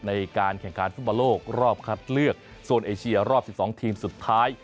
ในการแข่งขันฟุตบอลโลกรอบคัดเลือกโซนเอเชียรอบ๑๒ทีมสุดท้าย